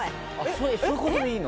そういう事でいいの？